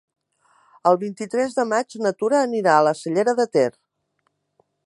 El vint-i-tres de maig na Tura anirà a la Cellera de Ter.